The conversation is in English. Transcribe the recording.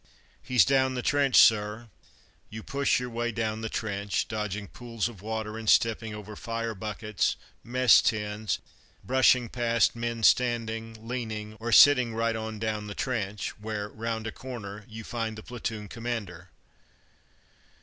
"He's down the trench, sir." You push your way down the trench, dodging pools of water and stepping over fire buckets, mess tins, brushing past men standing, leaning or sitting right on down the trench, where, round a corner, you find the platoon commander.